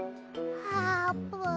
あーぷん。